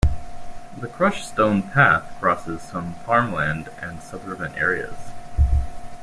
The crushed stone path crosses some farmland and suburban areas.